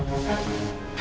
aku akan menjaga dia